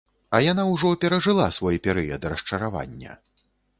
А яна ўжо перажыла свой перыяд расчаравання.